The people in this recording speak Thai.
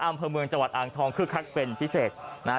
อำเภอเมืองจังหวัดอ่างทองคึกคักเป็นพิเศษนะฮะ